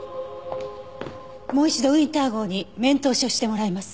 もう一度ウィンター号に面通しをしてもらいます。